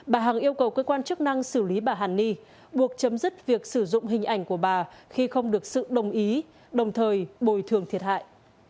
bà hằng yêu cầu cơ quan chức năng xử lý bà hàn ni buộc chấm dứt việc sử dụng hình ảnh của bà khi không được sự đồng ý đồng thời bồi thường thiệt hại